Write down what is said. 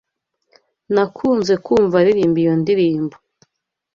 Nakunze kumva aririmba iyo ndirimbo.